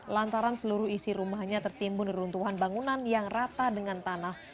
lantaran seluruh isi rumahnya tertimbun neruntuhan bangunan yang rata dengan tanah